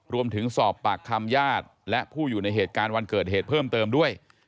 รวมถึงสอบปากคำญาติและผู้อยู่ในเหตุการณ์วันเกิดเหตุเพิ่มเติมด้วย